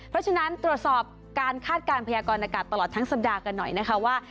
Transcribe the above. เพราะฉะนั้นตรวจสอบการคาดการณ์พยากรณากาศตลอดทั้งสัปดาห์กันหน่อยนะคะว่า